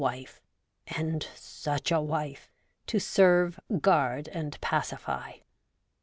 69 wife — and such a wife — to serve, guard, and pacify.